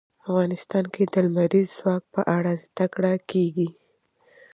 افغانستان کې د لمریز ځواک په اړه زده کړه کېږي.